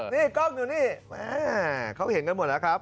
นี่กล้องอยู่นี่เขาเห็นกันหมดแล้วครับ